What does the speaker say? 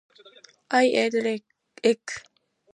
I ate egg.